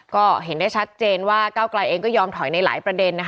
ก็เห็นได้ชัดเจนว่าก้าวกลายเองก็ยอมถอยในหลายประเด็น